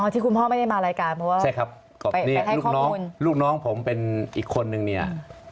ที่คุณพ่อไม่ได้มารายการเพราะว่าใช่ครับนี่ลูกน้องลูกน้องผมเป็นอีกคนนึงเนี่ย